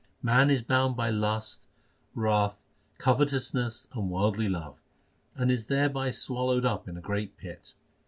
Man is bound by lust, wrath, covetousness, and worldly love, And is thereby swallowed up in a great pit.